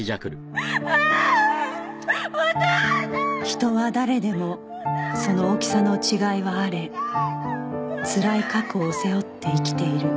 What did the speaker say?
人は誰でもその大きさの違いはあれつらい過去を背負って生きている